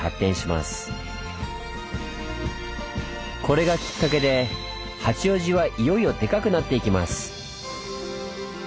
これがきっかけで八王子はいよいよデカくなっていきます！